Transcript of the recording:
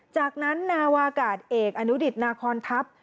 จากนั้นนาวากาศเอกอนุดิตนาคอนทัพ